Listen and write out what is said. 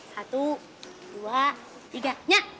satu dua tiga nyak